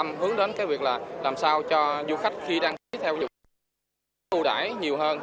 tâm hướng đến việc làm sao cho du khách khi đang theo dụng dụng tu đải nhiều hơn